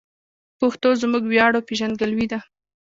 پښتو زموږ ویاړ او پېژندګلوي ده.